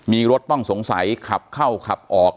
มีรถต้องสงสัยขับเข้าขับออก